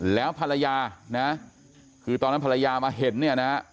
แล้วภรรยานะคือตอนนั้นภรรยามาเห็นเนี่ยนะ